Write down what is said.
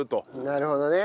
なるほどね。